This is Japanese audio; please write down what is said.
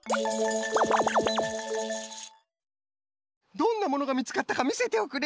どんなものがみつかったかみせておくれ。